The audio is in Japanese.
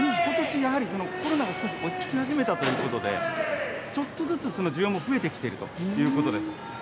やはり、コロナが少し落ち着き始めたということで、ちょっとずつ需要も増えてきているということです。